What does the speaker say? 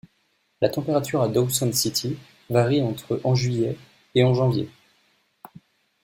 La température à Dawson City varie entre en juillet et en janvier.